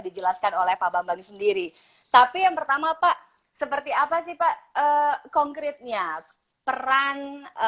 dijelaskan oleh pak bambang sendiri tapi yang pertama pak seperti apa sih pak konkretnya peran